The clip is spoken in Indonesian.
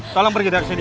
tolong pergi dari sini